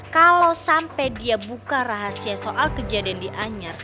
kalo sampe dia buka rahasia soal kejadian di anyar